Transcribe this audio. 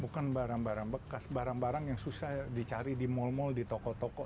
bukan barang barang bekas barang barang yang susah dicari di mal mal di toko toko